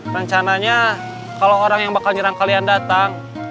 rencananya kalau orang yang bakal nyerang kalian datang